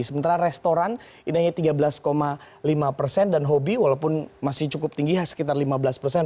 sementara restoran ini hanya tiga belas lima persen dan hobi walaupun masih cukup tinggi sekitar lima belas persen